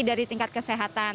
dari tingkat kesehatan